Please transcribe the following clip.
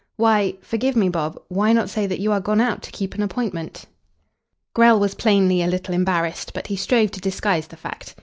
"Why forgive me, Bob why not say that you are gone out to keep an appointment?" Grell was plainly a little embarrassed, but he strove to disguise the fact.